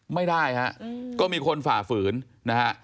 ไม่ได้ฮะก็มีคนฝ่าฝืนนะฮะ